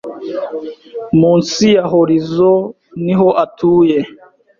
Munsi ya horizo niho atuye